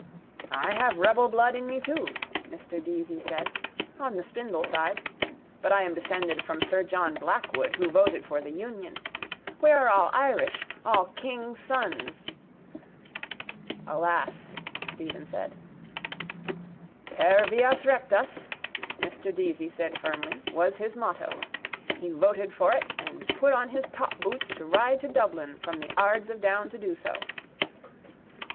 —I have rebel blood in me too, Mr Deasy said. On the spindle side. But I am descended from sir John Blackwood who voted for the union. We are all Irish, all kings' sons. —Alas, Stephen said. —Per vias rectas, Mr Deasy said firmly, was his motto. He voted for it and put on his topboots to ride to Dublin from the Ards of Down to do so.